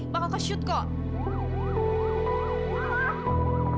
bakal kesyut kok